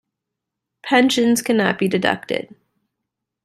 Pensions cannot be deducted.